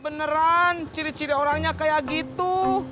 beneran ciri ciri orangnya kayak gitu